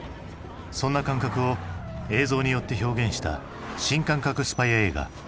そんな感覚を映像によって表現した新感覚スパイ映画。